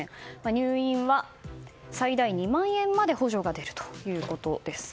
入院は、最大２万円まで補助が出るということです。